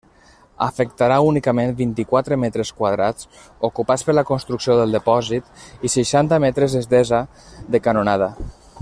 Afectarà únicament vint-i-quatre metres quadrats, ocupats per la construcció del depòsit i seixanta metres d'estesa de canonada.